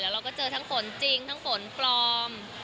เราก็เจอทั้งฝนจริงทั้งฝนปลอม